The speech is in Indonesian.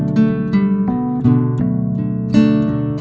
siapa ri dang